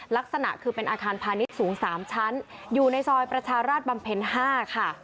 ลักษณะคือเป็นอาคารพาณิชย์สูง๓ชั้นอยู่ในซอยประชาราชบำเพ็ญ๕ค่ะ